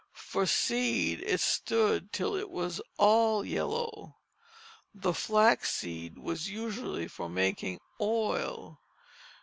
For seed it stood till it was all yellow. The flaxseed was used for making oil.